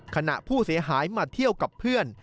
ขณะผู้เสียหายมาเที่ยวกับเพื่อน